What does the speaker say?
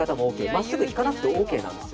真っすぐ引かなくてＯＫなの。